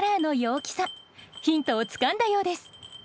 ヒントをつかんだようです。